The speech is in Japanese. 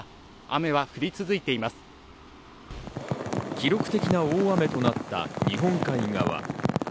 記録的な大雨となった日本海側。